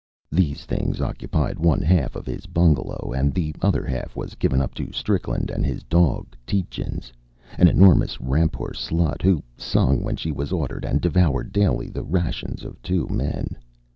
These things occupied one half of his bungalow, and the other half was given up to Strickland and his dog Tietjens an enormous Rampur slut, who sung when she was ordered, and devoured daily the rations of two men.